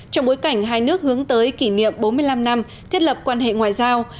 trong bối cảnh hai nước hướng tới kỷ niệm bốn mươi năm năm thiết lập quan hệ ngoại giao